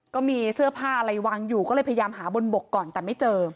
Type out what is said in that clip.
ก็มีเสื้อผ้าอะไรวางอยู่ก็เลยพยายามหาบนบกก่อนแต่ไม่เจอ